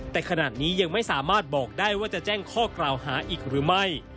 แต่ขณะนี้ยังไม่สามารถบอกได้ว่าจะแจ้งข้อกล่าวหาอีกหรือไม่